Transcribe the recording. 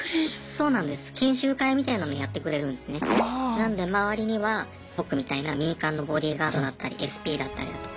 なので周りには僕みたいな民間のボディーガードだったりＳＰだったりだとか。